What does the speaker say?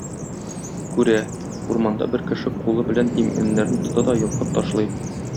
Күрә: урманда бер кеше кулы белән имәннәрне тота да йолкып ташлый.